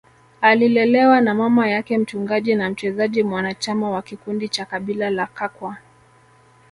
Alilelewa na mama yake mchungaji na mchezaji mwanachama wa kikundi cha kabila la Kakwa